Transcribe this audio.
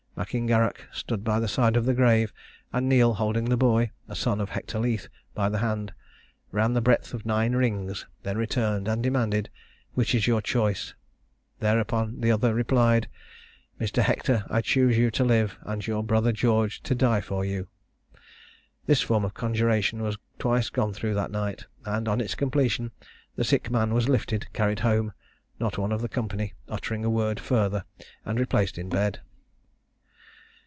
M'Ingarrach stood by the side of the grave, and Neill, holding a boy, a son of Hector Leith, by the hand, ran the breadth of nine rings, then returned, and demanded, 'which is your choice?' Thereupon the other replied, 'Mr. Hector, I choose you to live, and your brother George to die for you.' This form of conjuration was twice gone through that night; and, on its completion, the sick man was lifted, carried home not one of the company uttering a word further and replaced in bed.